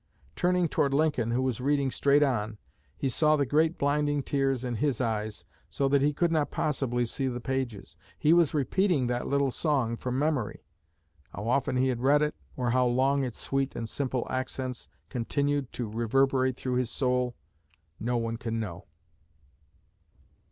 Turning toward Lincoln, who was reading straight on, he saw the great blinding tears in his eyes, so that he could not possibly see the pages. He was repeating that little song from memory. How often he had read it, or how long its sweet and simple accents continued to reverberate through his soul, no one can know."